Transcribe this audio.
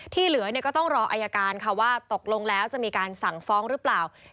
ที่เหลือก็ต้องรออายการค่ะว่าตกลงแล้วจะมีการสั่งฟ้องหรือเปล่า